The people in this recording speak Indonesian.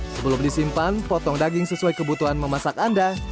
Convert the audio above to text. sebelum disimpan potong daging sesuai kebutuhan memasak anda